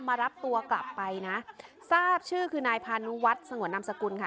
มารับตัวกลับไปนะทราบชื่อคือนายพานุวัฒน์สงวนนามสกุลค่ะ